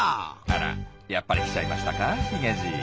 あらやっぱり来ちゃいましたかヒゲじい。